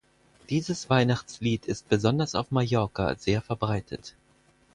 Dieses Weihnachtslied ist besonders auf Mallorca sehr verbreitet.